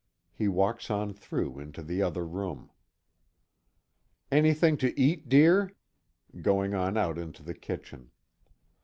He walks on through into the other room "Anything to eat, dear?" going on out into the kitchen.